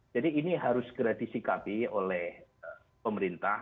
jadi ini harus geradisi kami oleh pemerintah